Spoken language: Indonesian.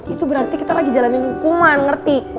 itu berarti kita lagi jalanin hukuman ngerti